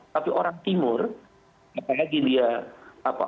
tapi orang timur apalagi dia apa